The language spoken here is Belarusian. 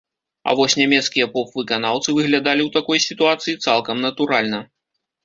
А вось нямецкія поп-выканаўцы выглядалі ў такой сітуацыі цалкам натуральна.